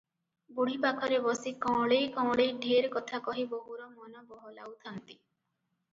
ବୁଢ଼ୀ ପାଖରେ ବସି କଅଁଳେଇ କଅଁଳେଇ ଢେର କଥା କହି ବୋହୂର ମନ ବହଲାଉଥାନ୍ତି ।